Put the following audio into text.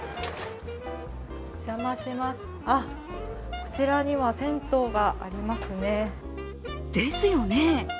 あ、こちらには銭湯がありますねですよね？